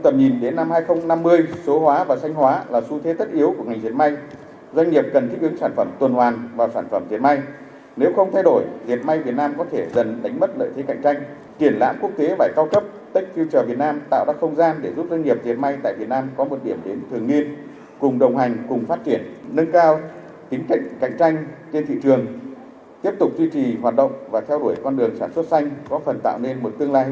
tiếp tục duy trì hoạt động và theo đuổi con đường sản xuất xanh có phần tạo nên một tương lai bền vững và có trách nhiệm hơn cho doanh nghiệp dệt may việt nam